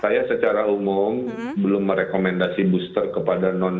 saya secara umum belum merekomendasi booster kepada non